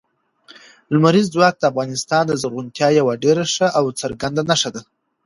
لمریز ځواک د افغانستان د زرغونتیا یوه ډېره ښه او څرګنده نښه ده.